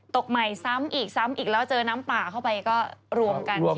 ตกใหม่ซ้ำอีกซ้ำอีกแล้วเจอน้ำป่าเข้าไปก็รวมกัน